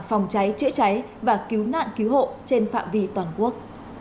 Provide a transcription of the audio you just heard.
phòng cháy chữa cháy và cứu nạn cứu hộ trên phạm vi toàn quốc